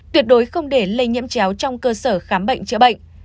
tuyệt đối không để lây nhiễm chéo trong cơ sở khám bệnh chữa bệnh